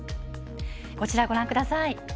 こちらご覧ください。